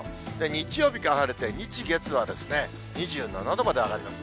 日曜日から晴れて、日、月は２７度まで上がります。